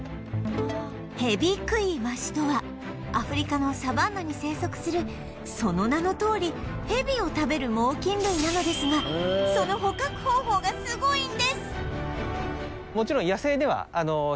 ヘビクイワシとはアフリカのサバンナに生息するその名のとおりヘビを食べる猛禽類なのですがその捕獲方法がすごいんです！